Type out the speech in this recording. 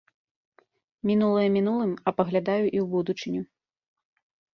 Мінулае мінулым, а паглядаю і ў будучыню.